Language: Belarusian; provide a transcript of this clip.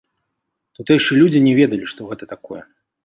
Тутэйшыя людзі не ведалі, што гэта такое.